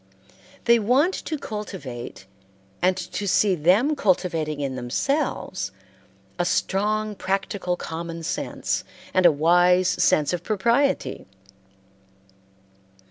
They want to cultivate and to see them cultivating in themselves a strong practical common sense and a wise sense of propriety.